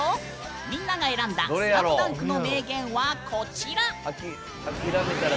みんなが選んだ「スラムダンク」の名言は。